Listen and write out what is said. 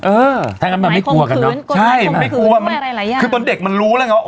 เออถ้าอย่างนั้นมันไม่กลัวกันเนอะใช่ไม่กลัวว่าคือตอนเด็กมันรู้แล้วไงว่า